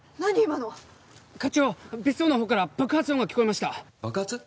今の課長別荘のほうから爆発音が聞こえました爆発？